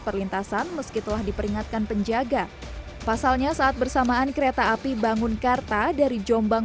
perlintasan meskipun diperingatkan penjaga pasalnya saat bersamaan kereta api bangunkarta dari jombang